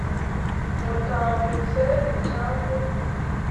Mutambutse icyambu